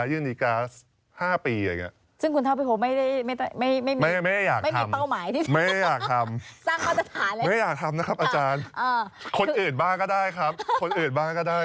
คนอื่นบ้างก็ได้ครับ